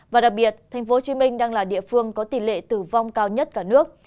và đặc biệt tp hcm đang là địa phương có tỷ lệ tử vong cao nhất cả nước